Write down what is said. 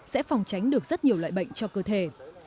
sẽ phòng tránh được rất nhiều loại bệnh cho cơ thể